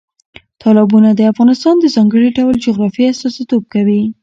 تالابونه د افغانستان د ځانګړي ډول جغرافیه استازیتوب کوي.